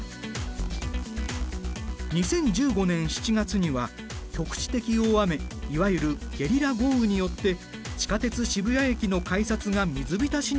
２０１５年７月には局地的大雨いわゆるゲリラ豪雨によって地下鉄渋谷駅の改札が水浸しになった。